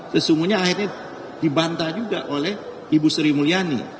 sesungguhnya akhirnya dibantah juga oleh ibu sri mulyani